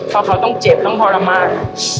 เพราะเขาต้องเจ็บต้องทรมาน